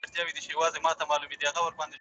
ټولنیز نهاد د ټولنې د ګډو هيلو نښه ده.